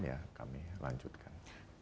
ya kami lanjutkan